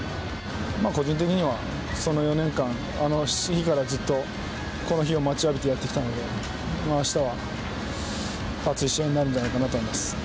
個人的にはその４年間、からずっとこの日を待ちわびてやってきたので、あしたは熱い試合になるんじゃないかなと思います。